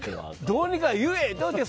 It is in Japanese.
どうにか言えって。